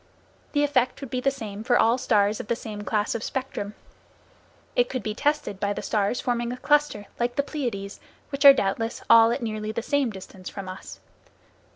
The effect would be the same for all stars of the same class of spectrum. It could be tested by the stars forming a cluster, like the Pleiades, which are doubtless all at nearly the same distance from us.